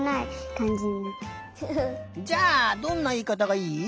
じゃあどんないいかたがいい？